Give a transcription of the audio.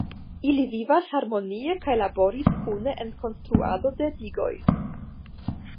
Ili vivas harmonie kaj laboras kune en konstruado de digoj.